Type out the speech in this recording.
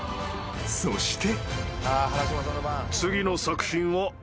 ［そして］